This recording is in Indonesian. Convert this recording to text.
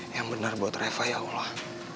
yang benar buat reva ya allah